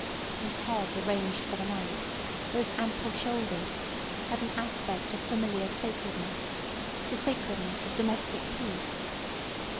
This head arranged for the night, those ample shoulders, had an aspect of familiar sacredness—the sacredness of domestic peace.